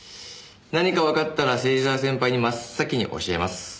何かわかったら芹沢先輩に真っ先に教えます。